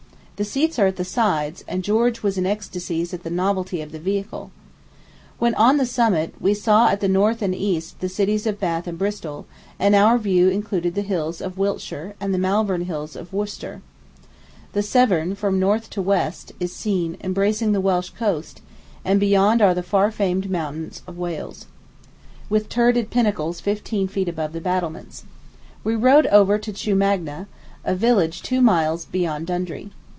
The seats are at the sides, and George was in ecstasies at the novelty of the vehicle. When oh the summit, we saw at the north and east the cities of Bath and Bristol, and our view included the hills of Wiltshire, and the Malvern Hills of Worcestershire. The Severn, from north to west, is seen, embracing the Welsh coast, and beyond are the far famed mountains of Wales. The church has a fine tower, with turreted pinnacles fifteen feet above the battlements. We rode over to Chew Magna, a village two miles beyond Dundry.